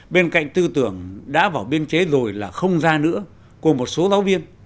bên cạnh tư tưởng đã vào biên chế rồi là không ra nữa của một số giáo viên